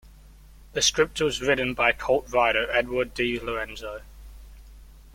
The script was written by cult writer Edward di Lorenzo.